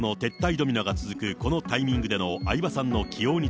ドミノが続くこのタイミングでの相葉さんの起用に